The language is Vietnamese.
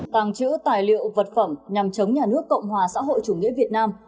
tàng trữ tài liệu vật phẩm nhằm chống nhà nước cộng hòa xã hội chủ nghĩa việt nam